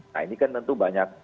nah ini kan tentu banyak